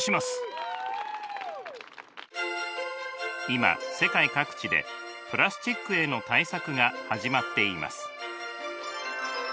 今世界各地でプラスチックへの対策が始まっています。